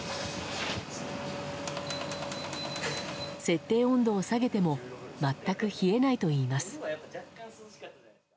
設定温度を下げても全く冷えないといいます。